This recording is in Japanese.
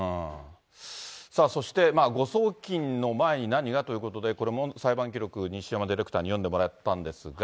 さあ、そして、誤送金の前に何がということで、これも裁判記録、西山ディレクターに読んでもらったんですが。